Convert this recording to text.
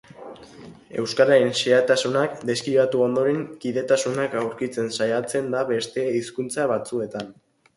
Euskararen xehetasunak deskribatu ondoren, kidetasunak aurkitzen saiatzen da beste hizkuntza batzuetan.